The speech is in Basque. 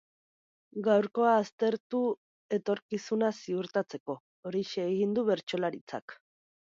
Gaurkoa aztertu etorkizuna ziurtatzeko, horixe egin du bertsolaritzak.